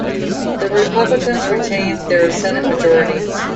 The Republicans retained their Senate majority.